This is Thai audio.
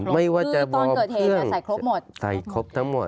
ไม่ว่าจะวอร์มเครื่องใส่ครบทั้งหมด